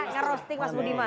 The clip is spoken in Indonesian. ngerosting mas budiman